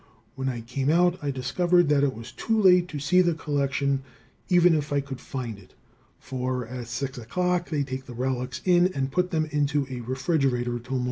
When I came out I discovered that it was too late to see the collection, even if I could find it, for at 6 o'clock they take the relics in and put them into a refrigerator till morning.